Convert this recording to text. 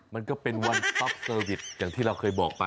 มันก็เป็นวันซับเซอร์วิสอย่างที่เราเคยบอกไป